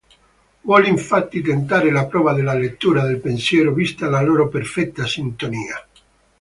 Vuole infatti tentare la prova della lettura del pensiero, vista la loro perfetta sintonia.